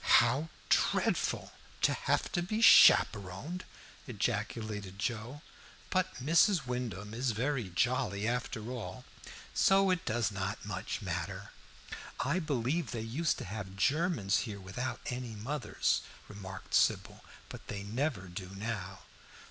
"How dreadful, to have to be chaperoned!" ejaculated Joe. "But Mrs. Wyndham is very jolly after all, so it does not much matter." "I believe they used to have Germans here without any mothers," remarked Sybil, "but they never do now."